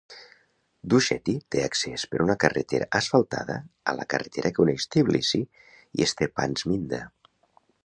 Dusheti té accés per una carretera asfaltada a la carretera que uneix Tbilisi i Stepantsminda.